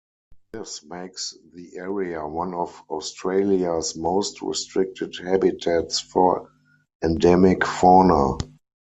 This makes the area one of Australia's most restricted habitats for endemic fauna.